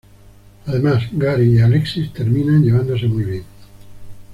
Además Gary y Alexis terminan llevándose muy bien.